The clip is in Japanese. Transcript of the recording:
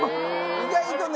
意外とね